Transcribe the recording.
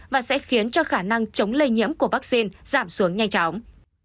và sẽ khiến cho khả năng chống lây nhiễm của vaccine giảm xuống nhanh chóng